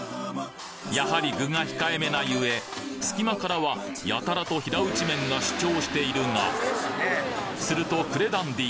やはり具が控えめな故隙間からはやたらと平打ちが主張しているがすると呉ダンディ